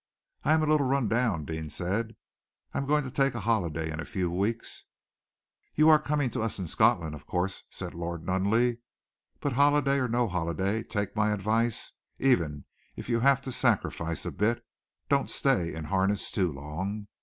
"I am a little run down," Deane said. "I am going to take a holiday in a few weeks." "You are coming to us in Scotland, of course," said Lord Nunneley. "But holiday or no holiday, take my advice, and even if you have to sacrifice a bit, don't stay in harness too long.